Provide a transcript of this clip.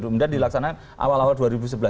kemudian dilaksanakan awal awal dua ribu sebelas